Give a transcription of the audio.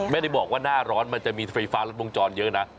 ไม่ได้บอกว่าหน้าร้อนมันจะมีไฟฟ้ารัดวงจรเยอะนะ